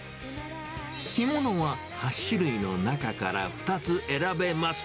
干物は８種類の中から２つ選べます。